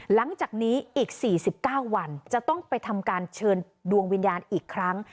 หลังจากนี้อีก๔๙วันจะต้องไปทำการเชิญดวงวิญญาณอีกครั้ง